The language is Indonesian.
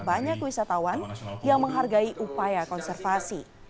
banyak wisatawan yang menghargai upaya konservasi